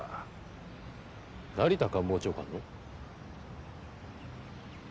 成田官房長官の？